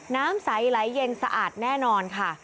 น้ำใสไหลเย็นสะอาดแน่นอนค่ะ